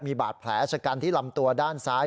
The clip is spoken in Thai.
มีบาดแผลชะกันที่ลำตัวด้านซ้าย